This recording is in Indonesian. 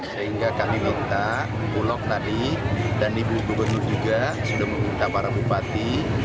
sehingga kami minta bulog tadi dan ibu gubernur juga sudah meminta para bupati